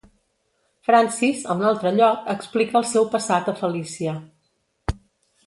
Francis, a un altre lloc, explica el seu passat a Felicia.